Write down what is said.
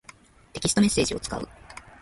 テキストメッセージを使う。